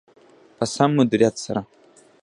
په سم مدیریت سره.